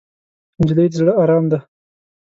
نجلۍ د زړه ارام ده.